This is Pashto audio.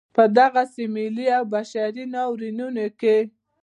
په دغسې ملي او بشري ناورینونو کې.